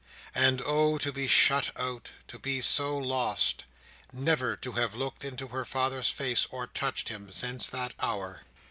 And oh, to be shut out: to be so lost: never to have looked into her father's face or touched him, since that hour!